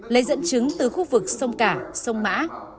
lấy dẫn chứng từ khu vực sông cả sông mã